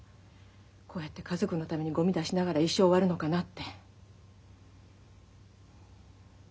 こうやって家族のためにゴミ出しながら一生終わるのかなって。